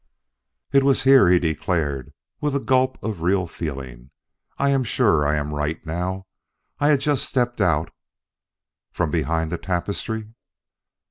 "It was here," he declared with a gulp of real feeling. "I am sure I am right now. I had just stepped out " "From behind the tapestry?"